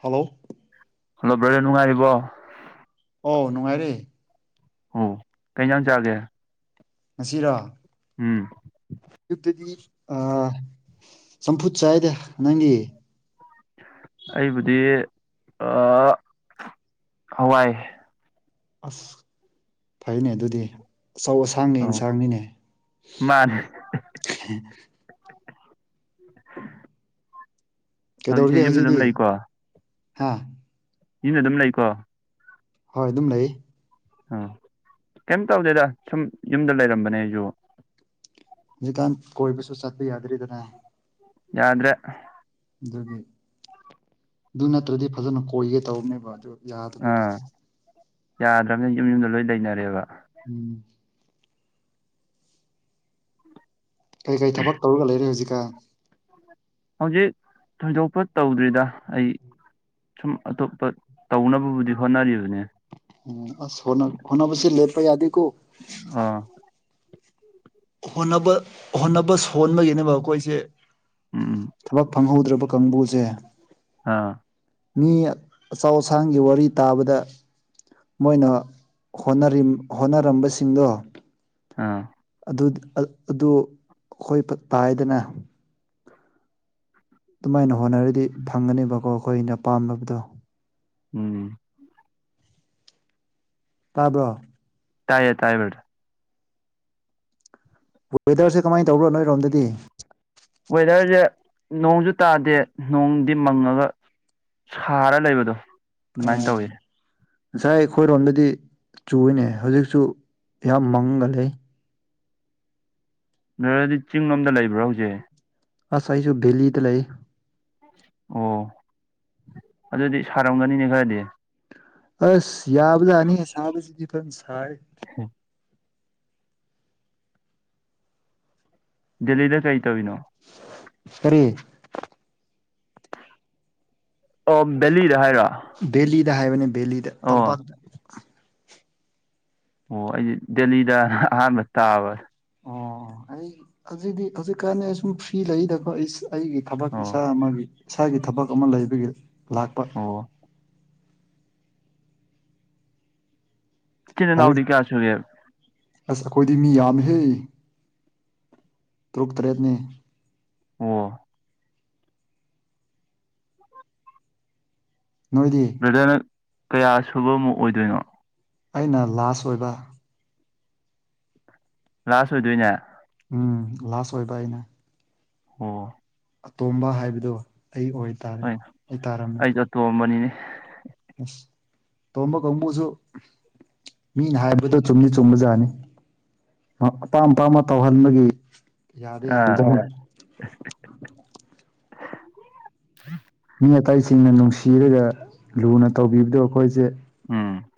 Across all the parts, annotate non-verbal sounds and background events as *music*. hello ꯍꯂ ꯂꯦ ꯅꯨꯡꯉꯥꯏꯔꯤꯕꯣ ꯑꯧ ꯅꯨꯡꯉꯥꯏꯔꯦ ꯑꯣ ꯀꯩꯅ ꯌꯥꯅ ꯆꯒꯦ ꯉꯁꯤꯔ ꯑꯌꯨꯛꯇꯗꯤ ꯑ ꯆꯝꯐꯨꯠ ꯆ ꯍꯥꯏꯗꯦ ꯅꯪꯒꯤ ꯑꯩꯕꯨꯗꯤ ꯍꯋꯥꯏ ꯑꯁ ꯐꯩꯅꯦ ꯑꯗꯨꯗꯤ ꯑꯆꯧ ꯑꯁꯥꯡꯅꯦ ꯑꯧ ꯑꯦꯟꯁꯥꯡꯅꯤꯅꯦ ꯃꯥꯅꯦ ꯎꯝ ꯀꯩꯗꯧꯔꯒꯦ ꯍꯧꯖꯤꯛꯤ ꯍꯥ ꯏꯅ ꯑꯗꯨꯝ ꯂꯩꯀꯣ ꯍꯣꯏ ꯑꯗꯨꯝ ꯂꯩ ꯑ ꯀꯩꯝ ꯇꯧꯗꯦꯗ ꯁꯨꯝ ꯌꯨꯝꯗ ꯂꯩꯔꯝꯕꯅꯦ ꯑꯩꯁꯨ ꯍꯧꯖꯤꯀꯥꯟ ꯀꯣꯏꯕꯁꯨ ꯆꯠꯄ ꯌꯥꯗ꯭ꯔꯤꯗꯅ ꯌꯥꯗ꯭ꯔꯦ ꯑꯗꯨꯒꯤ ꯑꯗꯨ ꯅꯠꯇ꯭ꯔꯗꯤ ꯐꯖꯅ ꯀꯣꯏꯒꯦ ꯇꯧꯕꯅꯦꯕ ꯑꯗꯨ ꯌꯥꯗꯕꯒꯤ ꯌꯥꯗ꯭ꯔꯕꯅ ꯌꯨꯝ ꯌꯨꯝꯗ ꯂꯣꯏ ꯂꯩꯅꯔꯦꯕ ꯎꯝ ꯀꯔꯤ ꯀꯔꯤ ꯊꯕꯛ ꯇꯧꯔꯒ ꯂꯩꯔꯦ ꯍꯧꯖꯤꯛꯀ ꯍꯧꯖꯤꯛ ꯊꯣꯏꯗꯣꯛꯄ ꯇꯧꯗ꯭ꯔꯤꯗ ꯑꯩ ꯁꯨꯝ ꯑꯇꯣꯞꯄ ꯇꯧꯅꯕꯕꯨꯗꯤ ꯍꯣꯠꯅꯔꯤꯕꯅꯦ ꯎꯝ ꯑꯁ ꯍꯅ ꯍꯅꯅꯕꯁꯤ ꯂꯦꯞꯄ ꯌꯥꯗꯤ ꯀꯣ ꯑꯥ ꯍꯣꯅꯕ ꯍꯣꯠꯅꯕ ꯁꯣꯟꯕꯒꯤꯅꯦꯕ ꯑꯩꯈꯣꯏꯁꯦ ꯎꯝ ꯊꯕꯛ ꯐꯪꯍꯧꯗ꯭ꯔꯕ ꯀꯥꯡꯕꯨꯁꯦ ꯑꯥ ꯃꯤ ꯑꯆꯧ ꯑꯁꯥꯡꯒꯤ ꯋꯥꯔꯤ ꯇꯥꯕꯗ ꯃꯣꯏꯅ ꯍꯣꯠꯅꯔꯝꯕꯁꯤꯡꯗꯣ ꯑꯥ ꯑꯗꯨ ꯑꯈꯣꯏ ꯇꯥꯏꯗꯅ ꯑꯗꯨꯃꯥꯏꯅ ꯍꯣꯠꯅꯔꯗꯤ ꯐꯪꯒꯅꯦꯕꯀꯣ ꯑꯈꯣꯏꯅ ꯑꯄꯥꯥꯝꯕꯗꯣ ꯎꯝ ꯇꯥꯕ꯭ꯔꯣ ꯇꯥꯏꯌꯦ ꯇꯥꯏꯌꯦ ꯋꯦꯗꯔꯁꯦ ꯀꯃꯥꯏꯅ ꯇꯧꯕꯔꯣ ꯅꯣꯏꯔꯣꯝꯗꯗꯤ ꯋꯦꯗꯔꯁꯦ ꯅꯣꯡꯁꯨ ꯇꯥꯗꯦ ꯅꯣꯡꯗꯤ ꯃꯪꯉꯒ ꯁꯥꯔ ꯂꯩꯕꯗꯣ ꯑꯗꯨꯃꯥꯏꯅ ꯑꯣ ꯇꯧꯋꯦ ꯉꯁꯥꯏ ꯑꯩꯈꯣꯏꯔꯣꯝꯗꯗꯤ ꯆꯨꯏꯅꯦ ꯍꯧꯖꯤꯛꯁꯨ ꯌꯥꯝ ꯃꯪꯉ ꯂꯩ ꯅꯔꯗꯤ ꯆꯤꯡꯂꯣꯝꯗ ꯂꯩꯕ꯭ꯔꯥ ꯍꯧꯖꯤꯛ ꯑꯁ ꯑꯩꯁꯨ ꯚꯦꯜꯂꯤꯗ ꯂꯩ ꯑꯣ ꯑꯗꯨꯗꯤ ꯁꯥꯔꯝꯒꯅꯤꯅꯦ ꯈꯔꯗꯤ ꯑꯁ ꯌꯥꯕꯖꯥꯠꯅꯤ ꯁꯥꯕꯁꯤꯗꯤ ꯐꯖꯟ ꯁꯥꯏ ꯍꯨꯝ ꯗꯦꯜꯂꯤꯗ ꯀꯩ ꯇꯧꯅꯣ ꯀꯔꯤ ꯑꯣ ꯕꯦꯂꯤꯗ ꯍꯥꯏꯔꯣ ꯕꯦꯂꯤꯗ ꯍꯥꯏꯕꯅꯦ ꯕꯦꯂꯤꯗ ꯑꯣ ꯇꯝꯄꯥꯛꯇ ꯑꯣ ꯑꯩꯗꯤ ꯗꯦꯜꯂꯤꯗ ꯑꯍꯥꯟꯕ ꯇꯥꯕ ꯑꯣ ꯑꯩ ꯍꯧꯖꯤꯛꯇꯤ ꯍꯧꯖꯤꯛꯀꯥꯟꯗꯤ ꯑꯩ ꯁꯨꯝ ꯐ꯭ꯔꯤ ꯂꯩꯗꯀꯣ ꯑꯩ ꯑꯩꯒꯤ ꯊꯕꯛ ꯑꯣ ꯏꯁꯥ ꯑꯃꯒꯤ ꯏꯁꯥꯒꯤ ꯊꯕꯛ ꯑꯃ ꯂꯩꯕꯒꯤ ꯂꯥꯛꯄ ꯑꯣ ꯏꯆꯤꯟ ꯂꯥꯏꯔꯤꯛ ꯏꯅꯥꯎꯗꯤ ꯀꯌꯥ ꯁꯨꯒꯦ ꯑꯁ ꯑꯈꯣꯏꯗꯤ ꯃꯤ ꯌꯥꯝꯃꯦꯍꯦ ꯇꯔꯨꯛ ꯇꯔꯦꯠꯅꯦ ꯑꯣ ꯅꯣꯏꯗꯤ ꯕ꯭ꯔꯗꯔꯅ ꯀꯌꯥ ꯁꯨꯕꯃꯨꯛ ꯑꯣꯏꯗꯣꯏꯅꯣ ꯑꯩꯅ ꯂꯥꯁ ꯑꯣꯏꯕ ꯂꯥꯁ ꯑꯣꯏꯗꯣꯏꯅꯦ ꯎꯝ ꯂꯥꯁ ꯑꯣꯏꯕ ꯑꯩꯅ ꯑꯣ ꯑꯇꯣꯝꯕ ꯍꯥꯏꯕꯗꯣ ꯑꯩ ꯑꯣꯏ ꯇꯥꯔꯦ ꯍꯣꯏ ꯑꯩ ꯇꯥꯔꯝꯃꯤ ꯑꯩꯁꯨ ꯑꯇꯣꯝꯕꯅꯤꯅꯦ ꯑꯁ ꯇꯣꯝꯕ ꯀꯥꯡꯕꯨꯁꯨꯨ ꯃꯤꯅ ꯍꯥꯏꯕꯗꯣ ꯆꯨꯝꯗꯤ ꯆꯨꯝꯕꯖꯥꯠꯅꯤ ꯑꯄꯥꯝ ꯑꯄꯥꯥꯝꯕ ꯇꯧꯍꯟꯕꯒꯤ ꯌꯥꯗꯦ ꯍꯥꯏ ꯑꯥ *unintelligible* ꯑꯇꯩꯁꯤꯡꯅ ꯅꯨꯡꯁꯤꯔꯒ ꯂꯨꯅ ꯇꯧꯕꯤꯕꯗꯣ ꯑꯈꯣꯏꯁꯦ ꯎꯝ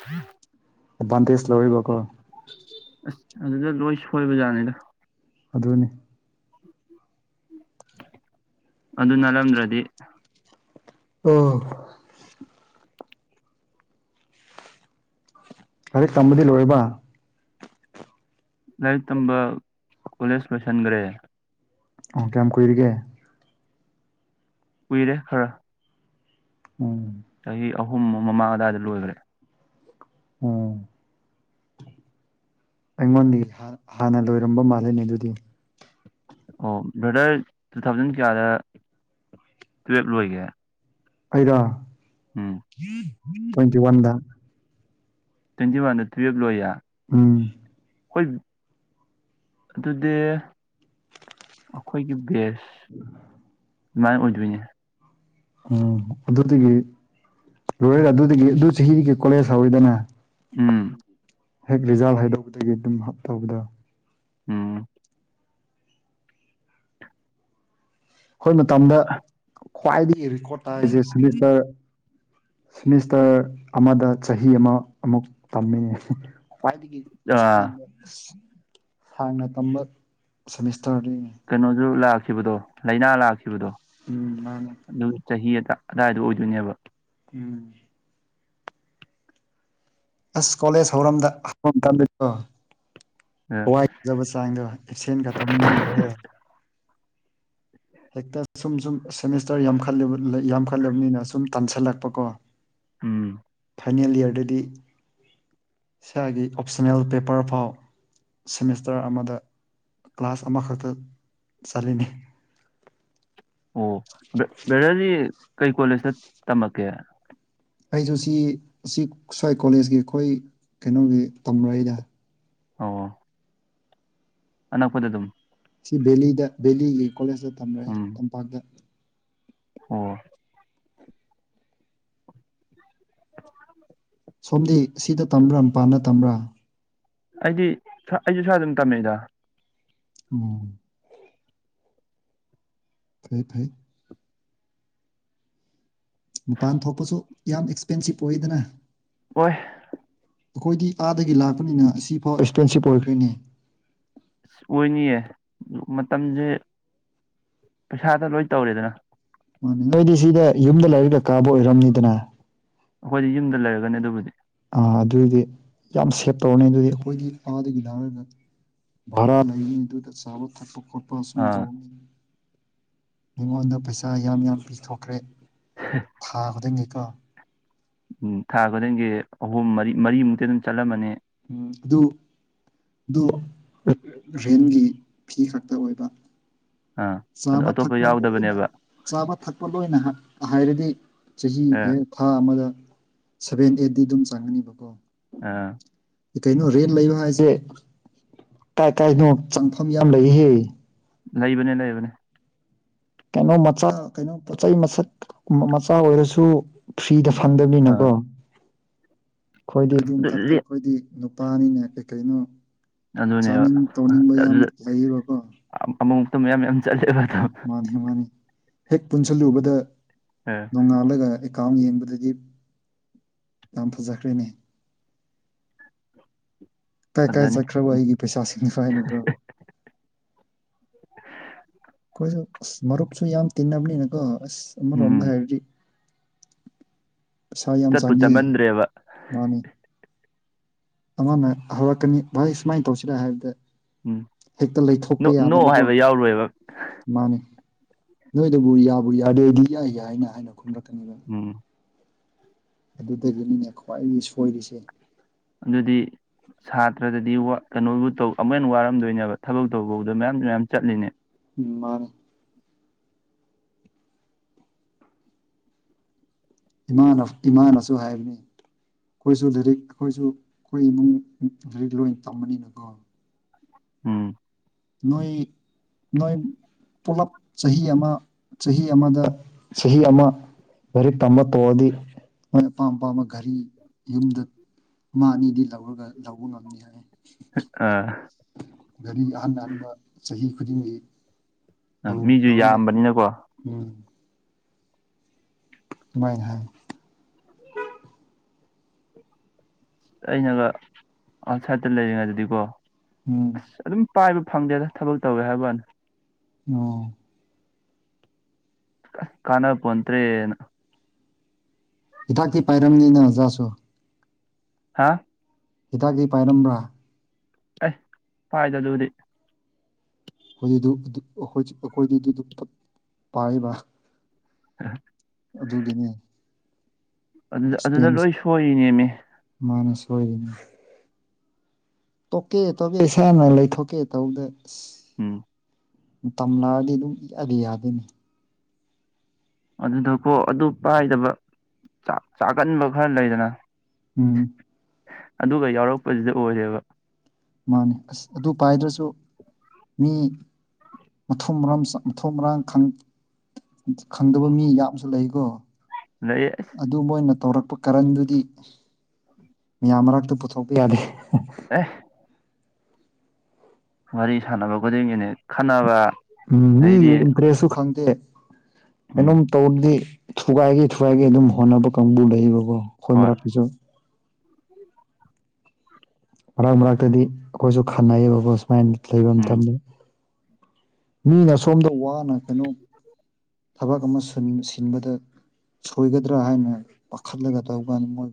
ꯑꯦꯗꯚꯥꯟꯇꯦꯁ ꯂꯧꯔꯤꯕ ꯀꯣ ꯑꯁ ꯑꯗꯨꯗ ꯂꯣꯏ ꯁꯣꯏꯕꯖꯥꯠꯅꯤꯗ ꯑꯗꯨꯅꯤ ꯑꯗꯨ ꯅꯠꯂꯝꯗ꯭ꯔꯗꯤ ꯑ ꯂꯥꯏꯔꯤꯛ ꯇꯝꯕꯗꯤ ꯂꯣꯏꯔꯕ ꯂꯥꯏꯔꯤꯛ ꯇꯝꯕ ꯀꯣꯂꯦꯖ ꯂꯣꯏꯁꯟꯒꯔꯦ ꯑꯣ ꯀꯌꯥꯝ ꯀꯨꯏꯔꯒꯦ ꯀꯨꯏꯔꯦ ꯈꯔ ꯎꯝ ꯆꯍꯤ ꯑꯍꯨꯝ ꯃꯃꯥꯡ ꯑꯗꯨꯋꯥꯏꯗ ꯂꯣꯏꯈ꯭ꯔꯦ ꯎꯝ ꯑꯩꯉꯣꯟꯗꯤ ꯍꯥꯟꯅ ꯂꯣꯏꯔꯝꯕ ꯃꯥꯜꯂꯦꯅꯦ ꯑꯗꯨꯗꯤ ꯑꯣ ꯕ꯭ꯔꯗꯔ ꯇꯨ ꯊꯥꯎꯖꯟ ꯀꯌꯥꯗ ꯇꯨꯋꯦꯜꯞ ꯂꯣꯏꯒꯦ ꯑꯩꯔꯣ ꯎꯝ ꯇ꯭ꯋꯦꯟꯇꯤ ꯋꯥꯟꯗ ꯇ꯭ꯋꯦꯟꯇꯤ ꯋꯥꯟꯗ ꯇꯨꯌꯦꯜꯞ ꯂꯣꯏꯌꯦꯦ ꯑꯝ ꯑꯩꯈꯣꯏ ꯑꯗꯨꯗꯤ ꯑꯩꯈꯣꯏꯒꯤ ꯕꯦꯁ ꯎꯝ ꯃꯥꯃꯥꯏ ꯎꯖꯣꯏꯦ ꯎꯝ ꯑꯗꯨꯗꯒꯤ ꯂꯣꯏꯔ ꯑꯗꯨꯗꯒꯤ ꯑꯗꯨ ꯆꯍꯤꯒꯤ ꯀꯣꯂꯦꯖ ꯍꯧꯋꯤꯗꯅ ꯎꯝ ꯍꯦꯛ ꯔꯤꯖꯥꯜꯠ ꯍꯥꯏꯗꯧꯕꯗꯒꯤ ꯑꯗꯨꯝ ꯍꯥꯞ ꯇꯧꯕꯗ ꯎꯝ ꯑꯩꯈꯣꯏ ꯃꯇꯝꯗ ꯈ꯭ꯋꯥꯏꯗꯒꯤ ꯔꯦꯀꯣꯔꯠ ꯇꯥꯔꯤꯁꯦ ꯁꯤꯂꯤꯇꯔ ꯁꯤꯦꯃꯤꯁꯇꯔ ꯑꯃꯗ ꯆꯍꯤ ꯑꯃ ꯑꯃꯨꯛ ꯇꯝꯃꯤ ꯈ꯭ꯋꯥꯏꯗꯒꯤ ꯑ ꯁꯥꯡꯅ ꯁꯥꯡꯅ ꯇꯝꯕ ꯁꯁ ꯀꯩꯅꯣꯁꯨ ꯂꯥꯛꯈꯤꯕꯗꯣ ꯂꯥꯏꯅꯥ ꯂꯥꯛꯈꯤꯕꯗꯣ ꯎꯝ ꯃꯥꯅꯦ ꯑꯗꯨꯒ ꯆꯍꯤ ꯑꯗꯥꯏꯗꯣ ꯑꯣꯏꯗꯣꯏꯅꯦꯕ ꯎꯦꯡ ꯑꯁ ꯀꯣꯂꯦꯖ ꯍꯧꯔꯝ ꯍꯧꯔꯝꯣ ꯑ ꯍꯋꯥꯏꯕ ꯆꯥꯡꯗꯣ ꯀꯞꯁꯦꯟ ꯈ ꯇꯧꯃꯤꯗꯍꯦ ꯍꯦꯛꯇ ꯁꯨꯝ ꯁꯨꯝ ꯁꯦꯃꯤꯁꯇꯔ ꯌꯥꯝꯈ ꯌꯥꯝꯈꯠꯂꯕꯅꯤꯅ ꯁꯨꯝ ꯇꯥꯟꯁꯤꯜꯂꯛꯄꯀꯣ ꯎꯝ ꯐꯥꯏꯅꯦꯜ ꯏꯌꯥꯔꯗꯗꯤ ꯏꯁꯥꯒꯤ ꯑꯣꯞꯁꯟꯅꯜ ꯄꯦꯄꯔ ꯐꯥꯎ ꯁꯦꯃꯤꯁꯇꯔ ꯑꯃꯗ ꯀ꯭ꯂꯥꯁ ꯑꯃꯈꯛꯇ ꯆꯠꯂꯤꯅꯤ *unintelligible* ꯑꯣ ꯕꯦꯔꯗꯤ ꯀꯩ ꯀꯣꯂꯦꯖꯇ ꯇꯝꯃꯛꯀꯦ ꯑꯩꯁꯨ ꯁꯤ ꯁꯤ ꯁ꯭ꯋꯥꯏ ꯀꯣꯂꯦꯖꯀꯤ ꯑꯩꯈꯣꯏ ꯀꯩꯅꯣꯒꯤ ꯇꯝꯔꯏꯗ ꯑꯣ ꯑꯅꯛꯄꯗ ꯑꯗꯨꯝ ꯁꯤ ꯕꯦꯂꯤꯗ ꯕꯦꯂꯤꯒꯤ ꯀꯣꯂꯦꯖꯇ ꯇꯝꯂꯑꯦ ꯎꯝ ꯇꯝꯄꯥꯛꯇ ꯑꯣ ꯁꯣꯝꯗꯤ ꯁꯤꯗ ꯇꯝꯕ꯭ꯔꯥ ꯃꯄꯥꯟꯗ ꯇꯝꯕ꯭ꯔꯥ ꯑꯩꯗꯤ ꯑꯩꯁꯨ ꯁꯋꯥꯏ ꯑꯗꯨꯝ ꯇꯝꯃꯛꯏꯗ ꯎꯝ ꯐꯩ ꯐꯩ ꯃꯄꯥꯟ ꯊꯣꯛꯄꯁꯨ ꯌꯥꯝ ꯑꯦꯛꯁꯄꯦꯟꯁꯤꯞ ꯑꯣꯏꯗꯅ ꯑꯣꯏ ꯑꯩꯈꯣꯏꯗꯤ ꯑꯥꯗꯒꯤ ꯂꯥꯛꯄꯅꯤꯅ ꯁꯤꯐꯥꯎ ꯑꯦꯛꯁꯄꯦꯟꯁꯤꯞ ꯑꯣꯏꯈ꯭ꯔꯤꯅꯦ ꯑꯁ ꯑꯣꯏꯅꯤꯌꯦ ꯃꯇꯝꯁꯦ ꯄꯩꯁꯥꯗ ꯂꯣꯏ ꯇꯧꯔꯦꯗꯅ ꯃꯥꯅꯦ ꯅꯣꯏꯗꯤ ꯁꯤꯗ ꯌꯨꯝꯗ ꯂꯥꯏꯔꯤꯛꯛꯇ ꯀꯥꯕ ꯑꯣꯏꯔꯝꯅꯤꯗꯅ ꯑꯩꯈꯣꯏꯗꯤ ꯌꯨꯝꯗ ꯂꯩꯔꯒꯅꯤ ꯑꯗꯨꯕꯨꯗꯤ ꯑꯗꯨꯏꯗꯤ ꯌꯥꯝ ꯁꯦꯞ ꯇꯧꯔꯅꯤ ꯑꯗꯨꯗꯤ ꯑꯩꯈꯣꯏꯒꯤ ꯑꯥꯗꯒꯤ ꯂꯥꯡꯔꯒ ꯚꯔꯥ ꯂꯩꯒꯅꯤ ꯑꯗꯨ ꯆꯕ ꯊꯛꯄ ꯈ ꯑ ꯑꯁꯨꯝ ꯑꯥ ꯇꯧꯤ ꯃꯤꯉꯣꯟꯗ ꯄꯩꯁꯥ ꯌꯥꯝ ꯌꯥꯝ ꯄꯤꯊꯣꯛꯈ꯭ꯔꯦ ꯊꯥ ꯈꯨꯗꯤꯡꯒꯤꯀꯣ ꯎꯝ ꯊꯥ ꯈꯨꯗꯤꯡꯒꯤ ꯑꯍꯨꯝ ꯃꯔꯤ ꯃꯔꯤꯃꯨꯛꯇꯤ ꯑꯗꯨꯝ ꯆꯠꯂꯝꯃꯅꯤ ꯑꯗꯨ ꯑꯗꯨ ꯔꯦꯟꯒꯤ ꯐꯤ ꯈꯛꯇ ꯑꯣꯏꯕ ꯑꯥ ꯑꯗꯣ ꯆꯥꯕ ꯑꯇꯣꯞꯄ ꯊꯛꯄ ꯂ ꯑꯣꯏꯅ ꯌꯥꯎꯗꯕꯅꯦꯕ ꯆꯥꯕ ꯊꯛꯄ ꯃꯔꯣꯏꯅ ꯍꯥꯏꯔꯗꯤ ꯆꯍꯤ ꯍ ꯑꯥ ꯊꯥ ꯑꯃꯗ ꯁꯚꯦꯟ ꯑꯦꯠꯤ ꯑꯗꯨꯝ ꯆꯪꯉꯅꯤꯕꯀꯣ ꯑꯥ ꯀꯩꯅꯣ ꯔꯦꯟ ꯂꯩꯕ ꯍꯥꯏꯁꯦ ꯀꯥꯏ ꯀꯥꯏꯅꯣ ꯆꯪꯐꯝ ꯌꯥꯝ ꯂꯩꯍꯦ ꯂꯩꯕꯅꯦ ꯂꯩꯕꯅꯦ ꯀꯩꯅꯣ ꯃꯆꯥ ꯀꯩꯅꯣ ꯄꯣꯠ ꯆꯩꯩ ꯃꯁꯛ ꯃꯆꯥ ꯑꯣꯏꯔꯁꯨ ꯐ꯭ꯔꯤꯗ ꯁꯥꯟꯗꯕꯤꯅ ꯀꯣ ꯑꯥ ꯑꯩꯈꯣꯏꯗꯤ ꯑꯗꯨ ꯑꯗꯨꯝꯊꯛꯇ ꯂꯦ ꯑꯩꯈꯣꯏꯗꯤ ꯅꯨꯄꯥꯅꯤꯅꯦ ꯀꯩ ꯀꯩꯅꯣ ꯑꯗꯨꯅꯦꯕ ꯆꯥꯅꯤꯡ ꯇꯧꯅꯤꯡꯕ ꯌꯥꯝ ꯂꯩꯌꯦꯕꯀꯣ ꯑꯗꯨ ꯌꯥꯝ ꯆꯠꯂꯦꯕ ꯑꯗꯨꯝ ꯃꯥꯅꯤ ꯃꯥꯅꯤ ꯍꯦꯛ ꯄꯨꯟꯁꯤꯜꯂꯨꯕꯗ ꯑꯥ ꯅꯣꯡꯉꯥꯜꯂꯒ ꯀꯥꯝ ꯌꯦꯡꯕꯗꯗꯤ ꯌꯥꯝ ꯐꯖꯈ꯭ꯔꯦꯅꯦ ꯀꯥꯏ ꯀꯥꯏ ꯐꯖꯅꯤ ꯆꯠꯈ꯭ꯔꯕꯣ ꯑꯩꯒꯤ ꯄꯩꯁꯥꯁꯤꯡ ꯐꯥꯏꯅꯤꯀꯣ ꯀꯣꯏꯁꯨ ꯃꯔꯔꯨꯛꯁꯨꯨ ꯌꯥꯝ ꯇꯤꯟꯅꯕꯅꯤ ꯌꯦꯀꯣꯝꯕ ꯔꯣꯝꯕ ꯎꯝ ꯍꯥꯏꯔꯤ ꯄꯩꯁꯥ ꯌꯥꯝ ꯆꯠꯄꯨ ꯆꯪꯉꯤ ꯆꯠꯃꯟꯗ꯭ꯔꯦꯕ ꯃꯥꯅꯦ ꯑꯃꯅ ꯍꯧꯔꯛꯀꯅꯤ ꯚꯥꯏ ꯁꯨꯃꯥꯏꯅ ꯇꯧꯁꯤꯔꯦ ꯍꯥꯏꯕꯗ ꯎꯝ ꯍꯦꯛꯇ ꯂꯩꯊꯣꯛꯄ ꯅꯣ ꯅꯣ ꯌꯥꯗꯕꯀꯣ ꯍꯥꯏꯕ ꯌꯥꯎꯔꯣꯏꯕ ꯃꯥꯅꯤ ꯅꯣꯏꯗꯨꯕꯨ ꯌꯥꯕꯨ ꯌꯥꯗꯦꯗꯤ ꯌꯥꯏ ꯌꯥꯏꯅ ꯍꯥꯏꯅ ꯈꯨꯝꯂꯛꯀꯅꯤꯕꯅꯤ ꯎꯝ ꯑꯗꯨꯗꯒꯤꯅꯤꯅꯦ ꯈ꯭ꯋꯥꯏꯗꯒꯤ ꯁꯣꯏꯔꯤꯁꯦ ꯑꯗꯨꯗꯤ ꯁꯥꯇ꯭ꯔꯗꯗꯤ ꯀꯩꯅꯣꯕꯨ ꯇꯧ ꯑꯃꯨꯛ ꯍꯟꯅ ꯋꯥꯔꯝꯗꯣꯏꯅꯦꯕ ꯊꯕꯛ ꯇꯧꯕꯥꯎꯗ ꯃꯌꯥꯝꯁꯨ ꯃꯌꯥꯝ ꯆꯠꯂꯤꯅꯦ ꯃꯔꯔ ꯏꯃꯥ ꯏꯃꯥꯅꯁꯨ ꯍꯥꯏꯕꯅꯤ ꯑꯩꯈꯣꯏꯁꯨ ꯂꯥꯏꯔꯤꯛ ꯑꯩꯈꯣꯏꯁꯨ ꯑꯩꯈꯣꯏ ꯏꯃꯨꯡ ꯂꯥꯏꯔꯤꯛ ꯂꯣꯏ ꯇꯝꯕꯅꯤꯅꯀꯣ ꯎꯝ ꯅꯣꯏ ꯅꯣꯏ ꯄꯨꯂꯞ ꯆꯍꯤ ꯑꯃ ꯆꯍꯤ ꯑꯃꯗ ꯆꯍꯤ ꯑꯃ ꯒꯥꯔꯤꯛ ꯇꯝꯕ ꯇꯣꯛꯑꯗꯤ ꯃꯣꯏ ꯑꯄꯥꯝ ꯑꯄꯥꯝꯕ ꯘꯔꯤ ꯌꯨꯝꯗ ꯃꯥ ꯑꯅꯤꯗꯤ ꯂꯧꯔꯒ ꯂꯧꯕ ꯉꯝꯅꯤ ꯍꯥꯏ ꯑꯥ ꯒꯥꯔꯤ ꯑꯍꯜ ꯑꯍꯟꯥꯟꯕ ꯆꯍꯤ ꯈꯨꯗꯤꯡꯒꯤ ꯑ ꯂꯧ ꯃꯤꯁꯨ ꯂꯧꯔꯒ ꯌꯥꯝꯕꯅꯤꯅꯀꯣ ꯃ ꯍꯥꯏꯥꯏ ꯑꯁ ꯑꯩꯅꯒ ꯑꯥꯎꯠꯁꯥꯏꯗꯠꯇ ꯂꯩꯔꯤꯉꯩꯗꯗꯤꯀꯣ ꯎꯝ ꯑꯁ ꯑꯗꯨꯝ ꯄꯥꯏꯕ ꯐꯪꯗꯦꯗ ꯊꯕꯛ ꯇꯧꯋꯦ ꯍꯥꯏꯕꯅꯤ ꯑ ꯀꯅꯄꯇ꯭ꯔꯦ ꯍꯤꯗꯥꯛꯇꯤ ꯄꯥꯏꯔꯝꯅꯤꯅ ꯑꯣꯖꯥꯁꯨ ꯍꯥꯥ ꯍꯤꯗꯥꯛꯇ ꯄꯥꯏꯔꯝꯕ꯭ꯔꯥ ꯑꯦ ꯐꯥꯏꯗ ꯑꯗꯨꯗꯤ ꯑꯩꯈꯣꯏ ꯑꯩꯈꯣꯏꯗꯤ ꯑꯗꯨ ꯄꯥꯏꯔꯤꯕ ꯑ ꯑꯗꯨꯒꯤꯅꯤ ꯑꯗꯨꯗ ꯑꯗꯨꯗ ꯑꯦꯛꯁꯄꯦꯟꯁ ꯂꯣꯏ ꯁꯣꯏꯔꯤꯅꯦꯃꯤ ꯍꯣꯏ ꯇꯣꯛꯀꯦ ꯇꯣꯛꯀꯦ ꯏꯁꯥꯅ ꯂꯩꯊꯣꯛꯀꯦ ꯇꯧꯗ ꯎꯝ ꯇꯝꯅꯛꯑꯗꯤ ꯑꯗꯨꯝ ꯏꯑꯗꯤ ꯌꯥꯗꯣꯏꯅꯤ ꯑꯗꯨꯗꯀꯣ ꯑꯗꯨ ꯄꯥꯏꯗꯕꯥꯛ ꯆꯥꯒꯟꯕ ꯈꯔ ꯂꯩꯗꯅ ꯎꯝ ꯑꯗꯨꯒ ꯌꯥꯎꯔꯛꯄꯁꯤꯗ ꯑꯣꯏꯔꯦꯕ ꯃꯥꯅꯦ ꯑꯁ ꯑꯗꯨ ꯄꯥꯏꯗ꯭ꯔꯁꯨ ꯃꯤ ꯃꯊꯣꯡ ꯃꯔꯝ ꯃꯊꯣꯡ ꯃꯔꯥꯡ ꯈꯪꯗꯕ ꯃꯤ ꯌꯥꯝꯁꯨ ꯂꯩꯀꯣ ꯑꯗꯩ ꯑꯁ ꯑꯗꯨ ꯃꯣꯏꯅ ꯇꯧꯔꯛꯄ ꯀꯔꯟꯗꯨꯗꯤ ꯃꯤꯌꯥꯝ ꯃꯔꯛꯇ ꯄꯨꯊꯣꯛꯄ ꯌꯥꯗꯦ ꯑꯦ ꯋꯥꯔꯤ ꯁꯥꯟꯅꯕ ꯈꯨꯗꯤꯡꯒꯤꯅꯦ ꯈꯟꯅꯅꯕ ꯎꯝ ꯃꯤꯒꯤ ꯏꯟꯇ꯭ꯔꯦꯁꯁꯨ ꯈꯪꯗꯦ ꯎꯝ ꯀꯩꯅꯣꯝ ꯇꯧꯔꯗꯤ ꯊꯨꯒꯥꯏꯒ ꯊꯨꯒꯥꯏꯒꯦ ꯑꯗꯨꯝ ꯍꯣꯠꯅꯕ ꯀꯥꯡꯕꯨ ꯂꯩꯌꯦꯕꯀꯣ ꯑꯩꯈꯣꯏ ꯍꯣꯏ ꯃꯔꯛꯛꯇꯁꯨ ꯃꯔꯛ ꯃꯔꯛꯇꯗꯤ ꯑꯩꯈꯣꯏꯁꯨ ꯈꯅꯩꯌꯦꯕꯀ ꯁꯨꯃꯥꯏꯅ ꯂꯩꯕ ꯎꯝ ꯃꯇꯝꯗ ꯃꯤꯅ ꯁꯣꯝꯗ ꯋꯥꯅ ꯀꯩꯅꯣ ꯊꯕꯛ ꯑꯃ ꯁꯤꯟꯕꯗ ꯁꯣꯏꯒꯗ꯭ꯔꯥ ꯍꯥꯏꯅ ꯄꯥꯈꯠꯂꯒ ꯇꯧꯕ ꯀꯥꯟꯗ ꯃꯣꯏ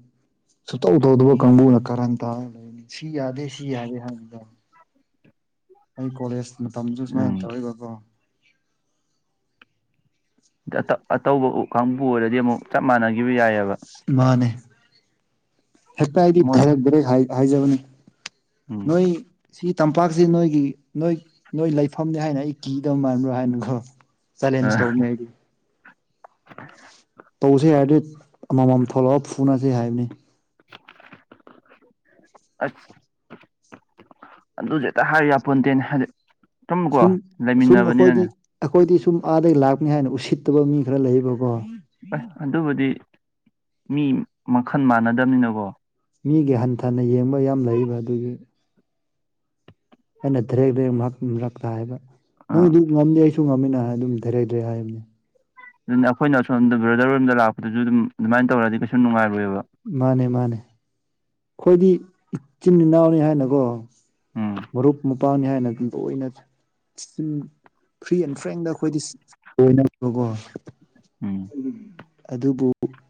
ꯁꯨꯇꯧ ꯇꯧꯗꯕ ꯀꯥꯡꯕꯨꯅ ꯀꯔꯝ ꯇ ꯂꯩꯅꯤ ꯁꯤ ꯌꯥꯗꯦ ꯁꯤ ꯌꯥꯗꯦ ꯍꯥꯏꯕꯗ ꯑꯩ ꯀꯣꯂꯦꯖ ꯃꯇꯝꯁꯨ ꯎꯝ ꯁꯨꯃꯥꯏꯅ ꯇꯧꯕꯀꯣ ꯑꯇꯧꯕ ꯎ ꯀꯥꯡꯪꯕꯨ ꯑꯣꯏꯔꯗꯤ ꯑꯃꯨꯛ ꯆꯞ ꯃꯥꯟꯅꯈꯤꯕ ꯌꯥꯏꯑꯕ ꯃꯥꯅꯦ ꯍꯦꯛꯇ ꯍꯥꯏꯗꯤ ꯃꯣꯏ ꯔꯛ ꯭ꯔꯦꯛ ꯍꯥꯏꯖꯕꯅꯤ ꯎꯝ ꯅꯣꯏ ꯁꯤꯒꯤ ꯇꯝꯄꯥꯛꯁꯤ ꯅꯣꯏꯒꯤ ꯅꯣꯏ ꯅꯣꯏ ꯂꯩꯐꯝꯅꯤ ꯍꯥꯏꯅ ꯑꯩ ꯀꯤꯗꯕ ꯃꯥꯟꯕ꯭ꯔꯥ ꯍꯥꯏꯅ ꯈ꯭ꯔꯣ ꯆꯂꯦꯅꯁ ꯎꯃꯦ ꯍꯥꯏꯗꯤ ꯇꯧꯁꯦ ꯍꯥꯏꯔꯗꯤ ꯑꯃꯃꯝ ꯊꯣꯛꯂꯛꯒ ꯐꯨꯅꯁꯤ ꯍꯥꯏꯕꯅꯤ ꯑ ꯑꯗꯨꯁꯨ ꯍꯦꯛꯇ ꯍꯥꯏꯔꯤ ꯌꯥꯄꯣꯟꯇꯦꯅꯦ ꯍꯥꯏꯗꯤ ꯁꯨꯝꯀꯣ ꯁꯨꯝ ꯁꯨꯝ ꯑꯩꯈꯣꯏꯗꯤ ꯂꯩꯃꯤꯟꯅꯕꯅꯤꯅꯅꯦ ꯑꯩꯈꯣꯏꯗꯤ ꯁꯨꯝ ꯑꯥꯗꯒꯤ ꯂꯥꯛꯄꯅꯤ ꯍꯥꯏꯅ ꯎꯁꯤꯠꯇꯕ ꯃꯤ ꯈꯔ ꯂꯩꯌꯦꯕꯀꯣ ꯑꯦ ꯑꯗꯨꯕꯨꯗꯤ ꯃꯤ ꯃꯈꯜ ꯃꯥꯟꯅꯗꯕꯅꯤꯅꯀꯣ ꯃꯤꯒꯤ ꯍꯟꯊꯅ ꯌꯦꯡꯕ ꯌꯥꯝ ꯂꯩꯕ ꯑꯗꯨꯒꯤ ꯑꯩꯅ ꯗꯔꯦꯛ ꯔꯦꯛꯛꯇ ꯍꯥꯏꯕ ꯑꯥ ꯅꯪꯗꯤ ꯉꯝꯗꯦ ꯑꯩꯁꯨ ꯉꯝꯃꯤꯅ ꯑꯗꯨꯝꯔꯗ꯭ꯔꯦ ꯍꯥꯏꯕꯅꯤ ꯑꯗꯨꯅ ꯑꯩꯈꯣꯏꯅ ꯁꯣꯝꯗ ꯕ꯭ꯔꯗꯔꯣꯝꯗ ꯂꯥꯛꯄꯗꯨꯁꯨ ꯑꯗꯨꯝ ꯑꯗꯨꯃꯥꯏꯅ ꯇꯧꯔꯗꯤ ꯀꯩꯁꯨ ꯅꯨꯡꯉꯥꯏꯔꯣꯏꯑꯕ ꯃꯥꯅꯦ ꯃꯥꯅꯦ ꯑꯩꯈꯣꯏꯗꯤ ꯏꯆꯤꯟ ꯏꯅꯥꯎꯅꯤ ꯍꯥꯏꯅꯀꯣ ꯎꯝ ꯃꯔꯨꯞ ꯃꯄꯥꯡꯅꯤ ꯍꯥꯏꯅ ꯑꯗꯨꯝ ꯂꯣꯏꯅ ꯐ꯭ꯔꯤ ꯑꯦꯟ ꯐ꯭ꯔꯦꯡꯗ ꯑꯩꯈꯣꯏꯗꯤ ꯂꯕꯀꯣ ꯎꯝ ꯑꯗꯨꯕꯨ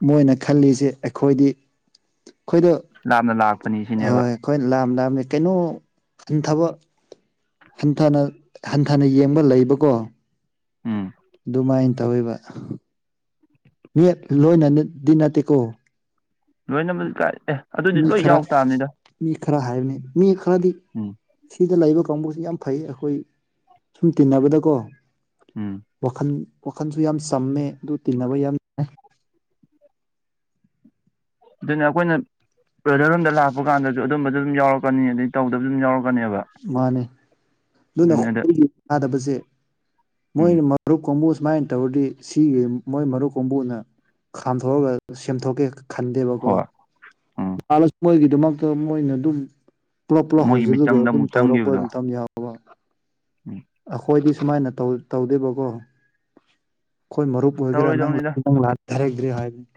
ꯃꯣꯏꯅ ꯈꯜꯂꯤꯁꯦ ꯑꯩꯈꯣꯏꯗꯤ ꯑꯩꯈꯣꯏꯗ ꯂꯥꯞꯅ ꯂꯥꯛꯄꯅꯤ ꯍꯣꯏ ꯁꯤꯅꯦꯕ ꯑꯩꯈꯣꯏ ꯂꯥꯝ ꯂꯥꯝꯃꯦ ꯀꯩꯅꯣ ꯊꯕꯛ ꯍꯟꯊꯅ ꯍꯟꯊꯅ ꯌꯦꯡꯕ ꯂꯩꯕꯀꯣ ꯎꯝ ꯑꯗꯨꯃꯥꯏꯅ ꯇꯧꯕ ꯃꯤꯠ ꯂꯣꯏꯅꯗꯤ ꯅꯠꯇꯦꯀꯣ ꯂꯣꯏꯅꯃꯛꯗꯤ ꯀꯥꯏ ꯑꯦ ꯑꯗꯨꯗꯤ ꯃꯤ ꯂꯣꯏ ꯈꯔ ꯌꯥꯎ ꯇꯥꯕꯅꯤꯗ ꯃꯤ ꯈꯔ ꯍꯥꯏꯕꯅꯤ ꯃꯤ ꯈꯔꯗꯤ ꯎꯝ ꯁꯤꯗ ꯂꯩꯕ ꯀꯥꯡꯕꯨꯁꯤ ꯌꯥꯝ ꯐꯩ ꯑꯩꯈꯣꯏ ꯁꯨꯝ ꯇꯤꯟꯅꯕꯗꯀꯣ ꯎꯝ ꯋꯥꯈꯜ ꯋꯥꯈꯟꯁꯨ ꯌꯥꯝ ꯆꯝꯃꯦ ꯑꯗꯨ ꯇꯤꯟꯅꯕ ꯌꯥꯝ ꯑꯗꯨꯅ ꯑꯩꯈꯣꯏꯅ ꯕ꯭ꯔꯗꯔ ꯔꯨꯝꯗ ꯂꯥꯛꯄ ꯀꯥꯟꯗꯁꯨ ꯑꯗꯨꯝꯕꯁꯨ ꯑꯗꯨꯝ ꯌꯥꯎꯔꯛꯀꯅꯤ ꯑꯗꯨꯗꯩ ꯇꯧꯗꯕꯁꯨ ꯑꯗꯨꯝ ꯌꯥꯎꯔꯛꯀꯅꯤ ꯃꯥꯅꯦ ꯑꯗꯨꯅ ꯑꯗꯨꯅꯦꯗ ꯑꯩꯒꯤ ꯌꯥꯗꯕꯁꯦ ꯎꯝ ꯃꯣꯏꯣꯏ ꯃꯔꯔꯨ ꯀꯣꯃ ꯁꯨꯃꯥꯏꯅ ꯇꯧꯔꯗꯤ ꯁꯤꯒꯤ ꯃꯣꯏ ꯃꯔꯨꯞ ꯀꯨꯝꯕꯨꯅ ꯈꯥꯝꯊꯣꯛꯑꯒ ꯁꯦꯝꯊꯣꯛꯀꯦ ꯍꯣꯏ ꯎꯝ ꯈꯟꯗꯦꯕꯀꯣꯂꯁꯨ ꯃꯣꯏꯒꯤꯗꯃꯛꯇ ꯃꯣꯏꯅ ꯑꯗꯨꯝ ꯄꯨꯂꯞ ꯄꯨꯂꯞ ꯃꯣꯏꯒꯤ ꯍꯧꯖꯤꯜꯂꯒ ꯃꯤꯆꯪꯗ ꯑꯗꯨꯝ ꯑꯃꯨꯛ ꯇꯧꯔꯛꯄ ꯆꯪꯈꯤꯕꯗꯣ ꯑꯗꯨꯝꯇ ꯌꯥꯎꯕ ꯎꯝ ꯑꯩꯈꯣꯏꯗꯤ ꯁꯨꯃꯥꯏꯅ ꯇꯧꯗꯦꯕꯀꯣ ꯑꯩꯈꯣꯏ ꯃꯔꯨꯞ ꯑꯣꯏꯒꯦꯔꯥ ꯅꯪ ꯇꯧꯔꯣꯏꯗꯧꯅꯤꯗ ꯅꯪ ꯂ ꯍꯥꯏꯔꯛꯇ꯭ꯔꯦ ꯍꯥꯏꯕꯅꯤ